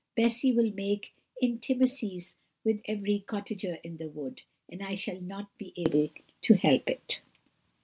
Bessy will make intimacies with every cottager in the wood, and I shall not be able to help it."